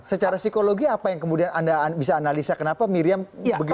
secara psikologi apa yang kemudian anda bisa analisa kenapa miriam begitu